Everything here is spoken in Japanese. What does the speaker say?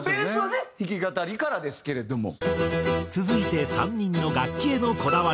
続いて３人の楽器へのこだわり。